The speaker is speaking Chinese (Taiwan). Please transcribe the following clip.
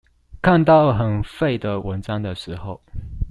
看到很廢的文章的時候